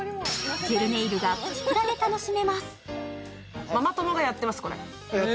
ジェルネイルがプチプラで楽しめます。